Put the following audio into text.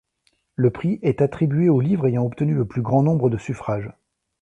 Le Prix est attribué au livre ayant obtenu le plus grand nombre de suffrages.